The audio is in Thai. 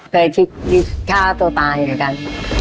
เคยฆ่าตัวตายเหมือนกัน